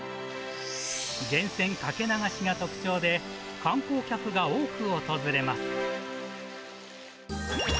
源泉かけ流しが特徴で、観光客が多く訪れます。